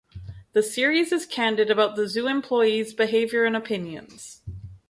The series is candid about the zoo employees' behavior and opinions.